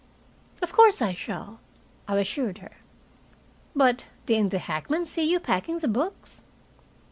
"Of course I shall," I assured her. "But didn't the hackman see you packing the books?"